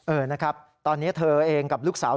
เออนะครับตอนนี้เธอเองกับลูกสาว